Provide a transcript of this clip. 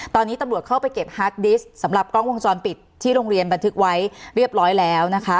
ตอนนี้ตำรวจเข้าไปเก็บฮาร์ดดิสต์สำหรับกล้องวงจรปิดที่โรงเรียนบันทึกไว้เรียบร้อยแล้วนะคะ